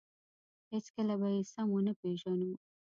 هېڅکله به یې سم ونه پېژنو.